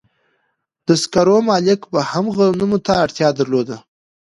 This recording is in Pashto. د سکارو مالک به هم غنمو ته اړتیا درلوده